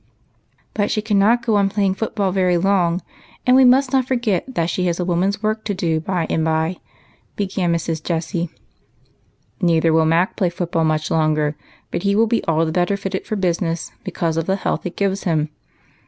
" But she cannot go on playing foot ball very long ; and we must not forget that she has a woman's work to do by and by," began Mrs. Jessie. " Neither will Mac play foot ball much longer, but he will be all the better fitted for business, because of the health it gives him.